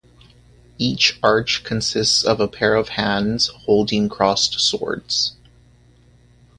Each arch consists of a pair of hands holding crossed swords.